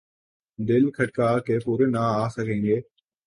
دل کھٹکا کہ پورے نہ آسکیں گے ۔